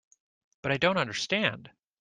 But I don't understand.